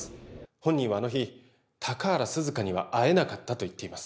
本人はあの日高原涼香には会えなかったと言っています